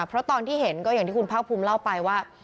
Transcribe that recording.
เพราะตอนที่เห็นก็อย่างที่คุณภาคภูมิเล่าไปว่า